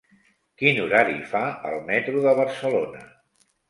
Quin horari fa el metro de Barcelona?